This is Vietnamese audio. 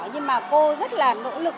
nhưng mà cô rất là nỗ lực